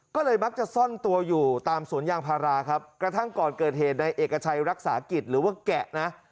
กระทั่งก่อนเกิดเหตุในเอกชัยรักษากิจหรือว่ากะ